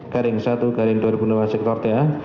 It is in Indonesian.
garing satu garing dua ribu enam sektor ta